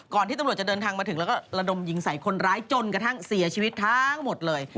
ที่ตำรวจจะเดินทางมาถึงแล้วก็ระดมยิงใส่คนร้ายจนกระทั่งเสียชีวิตทั้งหมดเลย